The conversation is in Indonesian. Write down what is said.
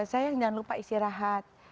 sayang jangan lupa istirahat